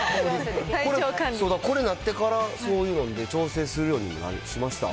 これなってから、そういうのんで調整するようにしました。